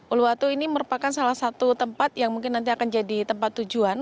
uluwatu ini merupakan salah satu tempat yang mungkin nanti akan jadi tempat tujuan